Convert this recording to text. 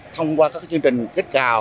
thông qua các chương trình kích cào